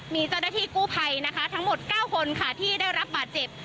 มีเจ้าหน้าที่กู้ภัยนะคะทั้งหมด๙คนค่ะที่ได้รับบาดเจ็บ